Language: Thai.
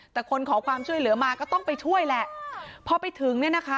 แต่คนขอความช่วยเหลือมาก็ต้องไปช่วยแหละพอไปถึงเนี่ยนะคะ